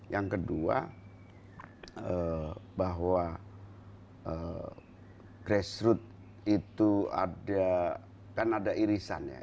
yang kedua bahwa grassroot itu ada kan ada irisan ya